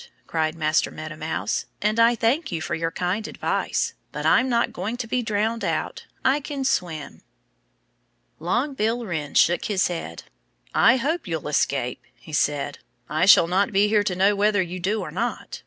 cried Master Meadow Mouse. "And I thank you for your kind advice. But I'm not going to be drowned out. I can swim." Long Bill Wren shook his head. "I hope you'll escape," he said. "I shall not be here to know whether you do or not.